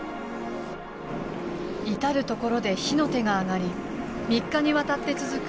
至る所で火の手が上がり３日にわたって続く大火災が発生。